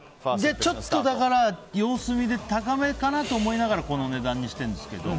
ちょっとだから様子見で高めかなと思いながらこの値段にしてるんですけど。